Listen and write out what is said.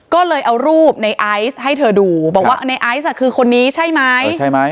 ก็เลยเอารูปในไอซ์ให้เธอดูบอกว่าในไอซ์คือคนนี้ใช่ไหม